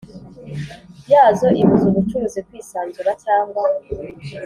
Yazo Ibuza Ubucuruzi Kwisanzura Cyangwa